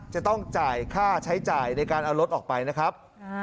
จะต้องจ่ายค่าใช้จ่ายในการเอารถออกไปนะครับ